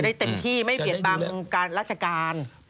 จะได้เต็มที่ไม่เกียรติบังราชการ